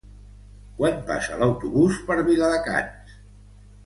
Quan passa l'autobús per Viladecans?